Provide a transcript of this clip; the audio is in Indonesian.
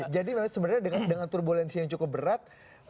memang sebenarnya dengan turbulensi yang cukup berat